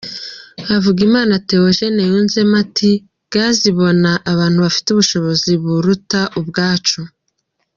Havugimana Theogene yunzemo ati “ Gaz ibona abantu bafite ubushobozi buruta ubwacu.